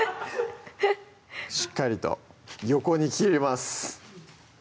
しっかりと横に切ります